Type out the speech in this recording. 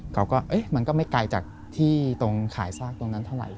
มันก็มันก็ไม่ไกลจากที่ตรงขายซากตรงนั้นเท่าไหร